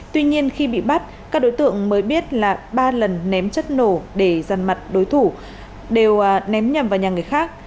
tuy nhiên khi bị bắt các đối tượng mới biết là ba lần ném chất nổ để ràn mặt đối thủ đều ném nhầm vào nhà người khác